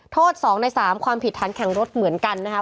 โทษ๒ใน๓ความผิดฐานแข่งรถเหมือนกันนะครับ